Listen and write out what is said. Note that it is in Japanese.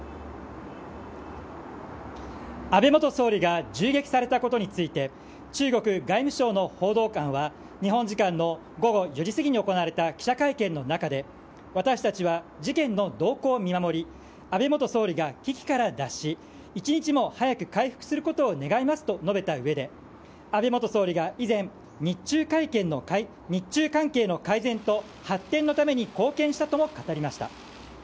安倍元総理が銃撃されたことについて中国外務省の報道官は日本時間午後４時過ぎに行われた記者会見の中で私たちは事件の動向を見守り安倍元総理が危機から脱し一日も早く回復することを願いますと述べたうえで安倍元総理が以前日中関係の改善と発展のために貢献したとも語りました。